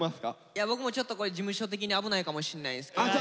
いや僕もちょっと事務所的に危ないかもしんないですけど。